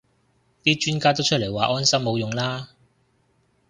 啲專家都出嚟話安心冇用啦